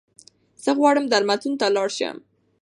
زه غواړم درملتون ته لاړشم